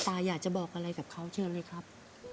อยากจะบอกอะไรกับเขาเชิญเลยครับ